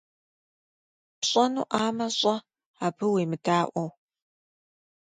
Пщӏэнуӏамэ, щӏэ, абы уемыдаӏуэу.